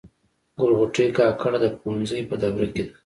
ګل غوټۍ کاکړه د پوهنځي په دوره کي ده.